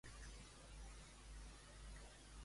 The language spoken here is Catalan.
En quin lloc es situa?